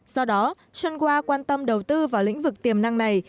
do đó sunwa quan tâm đầu tư vào lĩnh vực tiềm năng này